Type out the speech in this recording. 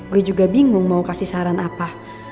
gue juga bingung mau kasih saran apa